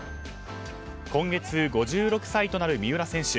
今月５６歳となる三浦選手。